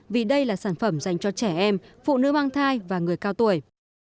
vì đây là sản phẩm dành cho trẻ em phụ nữ mang thai và người cao tuổi